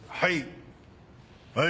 はい。